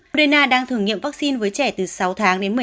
moderna đang thử nghiệm vắc xin với trẻ từ sáu tháng đến một mươi hai tuổi